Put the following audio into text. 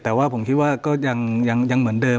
แต่ว่าผมคิดว่าก็ยังเหมือนเดิม